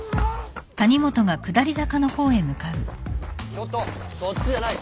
ちょっとそっちじゃない。